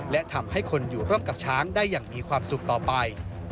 และทำให้คนอยู่ร่วมกับช้างได้อย่างมีความสุขต่อไป